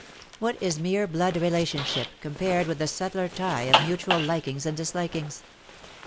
What is mere blood relationship compared with the subtler tie of mutual likings and dislikings